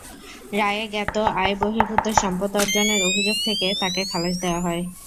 রায়ে জ্ঞাত আয়বহির্ভূত সম্পদ অর্জনের অভিযোগ থেকে তাঁকে খালাস দেওয়া হয়।